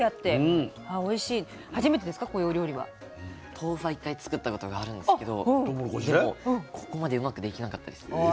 豆腐は１回作ったことがあるんですけどでもここまでうまくできなかったです。